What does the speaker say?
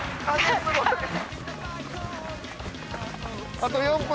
あと４分！